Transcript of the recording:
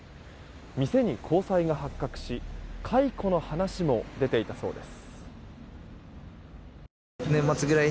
店に交際が発覚し解雇の話も出ていたそうです。